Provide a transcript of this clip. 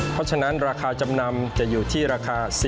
เพราะฉะนั้นราคาจำนำจะอยู่ที่ราคา๔๒๗๕บาทครับ